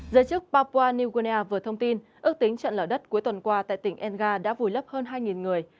giới chức papua new guinea vừa thông tin ước tính trận lở đất cuối tuần qua tại tỉnh nga đã vùi lấp hơn hai người